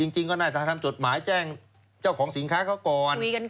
จริงก็น่าจะทำจดหมายแจ้งเจ้าของสินค้าเขาก่อน